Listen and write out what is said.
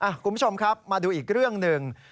คุณผู้ชมครับมาดูอีกเรื่องหนึ่ง